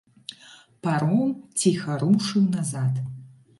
Паром ціха рушыў назад.